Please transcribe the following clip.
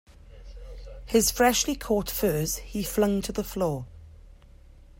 His freshly caught furs he flung to the floor.